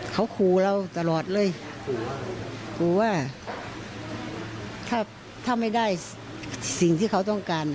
เขาขู่เราตลอดเลยครูว่าถ้าถ้าไม่ได้สิ่งที่เขาต้องการ